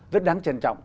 rất đáng trân trọng